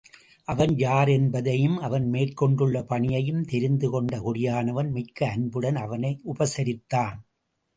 அவன் யார் என்பதையும், அவன் மேற்கொண்டுள்ள பணியையும் தெரிந்து கொண்ட குடியானவன், மிக்க அன்புடன் அவனை உபசரித்தான்.